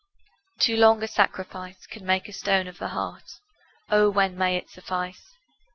Too long a sacrifice Can make a stone of the heart. O when may it suffice?